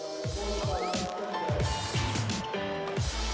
mimpima menjadi pemain bulu tangkis kelas dunia menjadi motivasi terbesar anak anak ini untuk